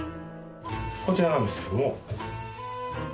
こちらなんですけども。